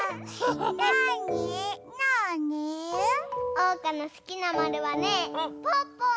おうかのすきなまるはねぽぅぽ！